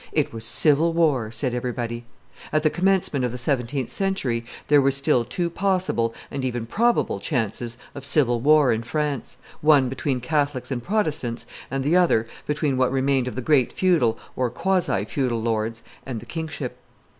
It was civil war, said everybody. At the commencement of the seventeenth century, there were still two possible and even probable chances of civil war in France; one between Catholics and Protestants, and the other between what remained of the great feudal or quasi feudal lords and the kingship.